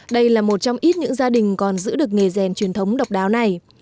đây là một trong ít những gia đình còn giữ được nghề rèn truyền thống độc đáo này